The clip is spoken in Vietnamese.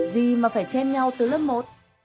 gì mà phải chen nhau từ lớp một